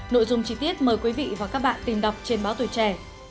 nội dung chi tiết mời quý vị và các bạn tìm đọc trên báo tuổi trẻ